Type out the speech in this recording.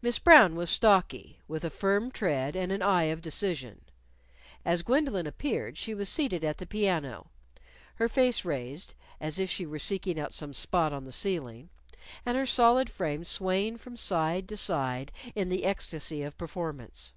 Miss Brown was stocky, with a firm tread and an eye of decision. As Gwendolyn appeared, she was seated at the piano, her face raised (as if she were seeking out some spot on the ceiling), and her solid frame swaying from side to side in the ecstasy of performance.